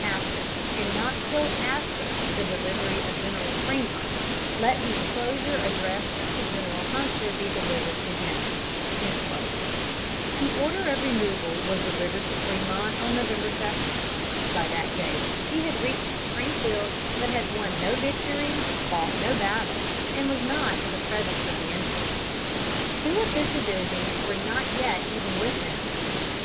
After, and not till after, the delivery to General Frémont, let the inclosure addressed to General Hunter be delivered to him." The order of removal was delivered to Frémont on November 2. By that date he had reached Springfield, but had won no victory, fought no battle, and was not in the presence of the enemy. Two of his divisions were not yet even with him.